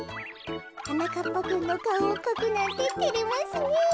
はなかっぱくんのかおをかくなんててれますねえ。